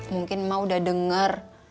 mungkin emak udah denger